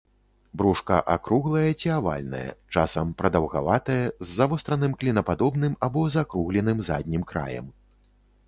Брушка акруглае ці авальнае, часам прадаўгаватае, з завостраным, клінападобным або закругленым заднім краем.